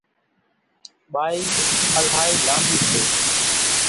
ٻائِي الائِي لانٻِي سي۔